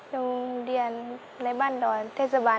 หนูเรียนในบ้านดรเทศบาล๑